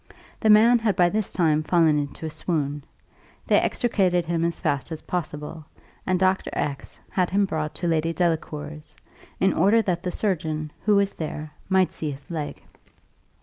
The man had by this time fallen into a swoon; they extricated him as fast as possible, and Doctor X had him brought to Lady Delacour's, in order that the surgeon, who was there, might see his leg.